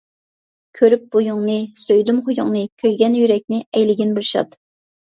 كۆرۈپ بويۇڭنى، سۆيدۈم خۇيۇڭنى، كۆيگەن يۈرەكنى ئەيلىگىن بىر شاد.